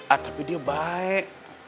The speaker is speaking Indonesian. ah tapi dia baik